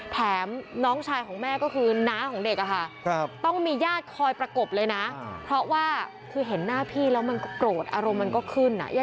แถมน้องชายของแม่ก็คือน้าของเด็กอะค่ะต้องมีญาติคอยประกบเลยนะเพราะว่าคือเห็นหน้าพี่แล้วมันก็โกรธอารมณ์มันก็ขึ้น